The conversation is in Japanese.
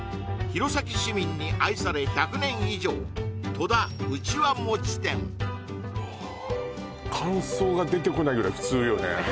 弘前市民に愛され１００年以上感想が出てこないぐらい普通よね